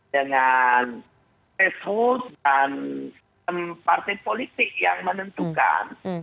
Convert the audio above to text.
dengan threshold dan sistem partai politik yang menentukan